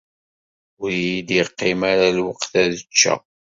Ur yi-d-yeqqim ara lweqt ad ččeɣ.